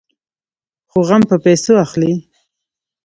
خو غم په پيسو اخلي.